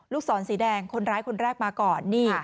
ศรสีแดงคนร้ายคนแรกมาก่อน